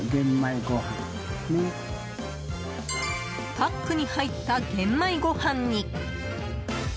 パックに入った玄米ご飯に。